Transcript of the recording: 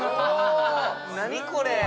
何これ？